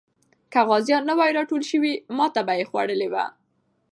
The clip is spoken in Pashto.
که غازیان نه وای راټول سوي، ماتې به یې خوړلې وه.